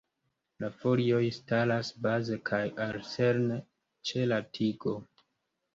La folioj staras baze kaj alterne ĉe la tigo.